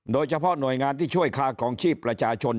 โดยเฉพาะหน่วยงานที่ช่วยค่าคลองชีพประชาชน